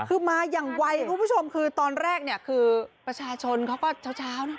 คือมาอย่างไวคุณผู้ชมคือตอนแรกเนี่ยคือประชาชนเขาก็เช้านะ